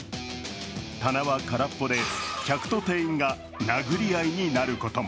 棚は空っぽで、客と店員が殴り合いになることも。